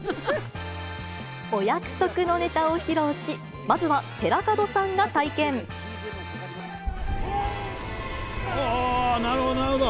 お約束のネタを披露し、なるほど、なるほど。